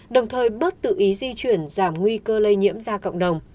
đồng thời bớt tự ý di chuyển giảm nguy cơ lây nhiễm ra cộng đồng